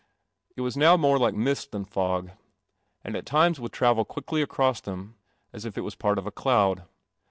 It was now more like mist than fog, and at times would travel quickly across them, as if it was part of a cloud.